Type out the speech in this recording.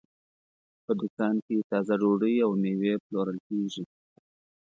په دوکان کې تازه ډوډۍ او مېوې پلورل کېږي.